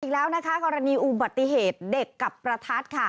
อีกแล้วนะคะกรณีอุบัติเหตุเด็กกับประทัดค่ะ